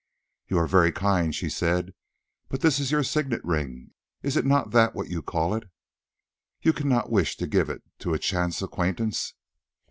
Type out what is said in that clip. "You are very kind," she said, "but this is your signet ring—is not that what you call it? You cannot wish to give it to a chance acquaintance."